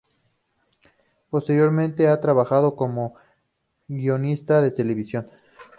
Posteriormente, ha trabajado como guionista de televisión